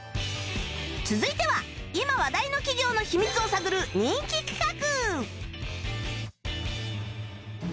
続いては今話題の企業の秘密を探る人気企画！